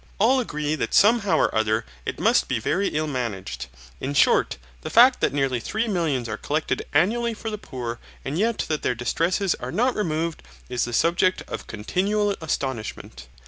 All agree that somehow or other it must be very ill managed. In short the fact that nearly three millions are collected annually for the poor and yet that their distresses are not removed is the subject of continual astonishment.